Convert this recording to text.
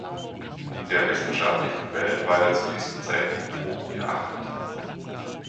In der wissenschaftlichen Welt war er zu diesem Zeitpunkt hochgeachtet.